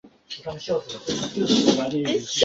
克利翁人口变化图示